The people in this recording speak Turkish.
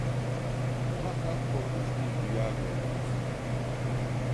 Muhakkak korkunç bir rüya gördünüz!